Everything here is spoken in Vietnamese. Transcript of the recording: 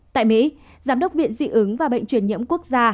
tại mỹ giám đốc viện dị ứng và bệnh truyền nhiễm quốc gia